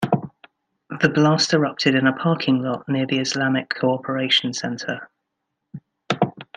The blast erupted in a parking lot near the Islamic Cooperation Centre.